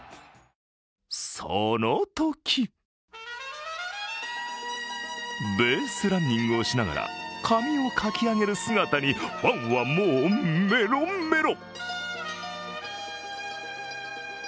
そのとき、ベースランニングをしながら髪をかき上げる姿に、ファンはもうメロメロ。